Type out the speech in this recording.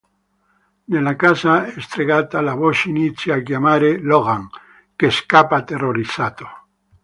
Nella casa stregata la voce inizia a chiamare "Logan" che scappa terrorizzato.